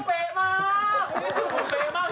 สดใหม่ให้เยอะสิ